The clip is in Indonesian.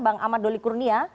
bang ahmad doli kurnia